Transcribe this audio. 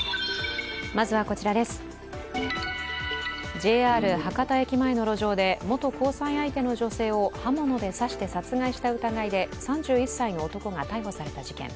ＪＲ博多駅前の路上で元交際相手の女性を刃物で刺して殺害した疑いで３１歳の男が逮捕された事件。